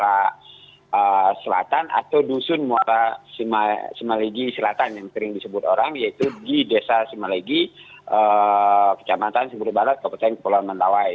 dusun muat di luar selatan atau dusun muat di semalegi selatan yang sering disebut orang yaitu di desa semalegi kecamatan siburut barat kepala desa semalegi